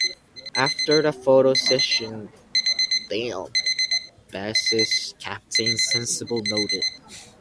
After the photo session, Damned bassist Captain Sensible noted: ...